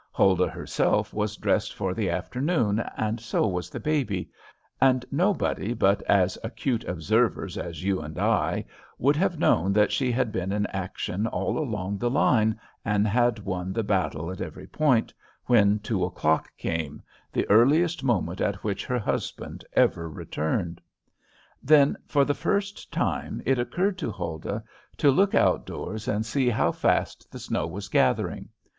Huldah herself was dressed for the afternoon, and so was the baby; and nobody but as acute observers as you and I would have known that she had been in action all along the line and had won the battle at every point, when two o'clock came, the earliest moment at which her husband ever returned. Then for the first time it occurred to Huldah to look out doors and see how fast the snow was gathering.